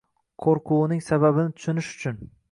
Qo‘rquvining sababini tushunish uchun